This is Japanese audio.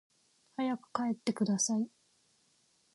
早く帰ってください